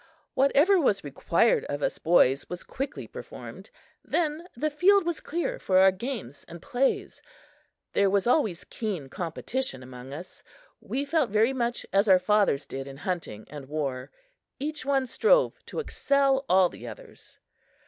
Whatever was required of us boys was quickly performed: then the field was clear for our games and plays. There was always keen competition among us. We felt very much as our fathers did in hunting and war each one strove to excel all the others.